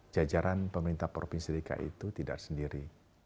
jajaran pemerintah provinsi dki itu tidak sendiri